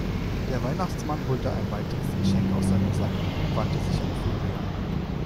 Der Weihnachtsmann holte ein weiteres Geschenk aus seinem Sack und wandte sich an Florian.